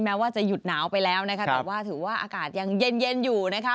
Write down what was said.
แม้ว่าจะหยุดหนาวไปแล้วนะคะแต่ว่าถือว่าอากาศยังเย็นเย็นอยู่นะคะ